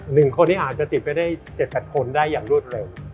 หนึ่งคนจะติดไปได้๗๘คนได้อย่างรวดเร็ว